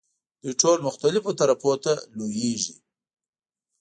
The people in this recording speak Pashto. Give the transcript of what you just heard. دوی ټول مختلفو طرفونو ته لویېږي.